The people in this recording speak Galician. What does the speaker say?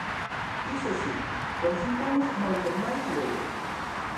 Iso si, con síntomas moito máis leves.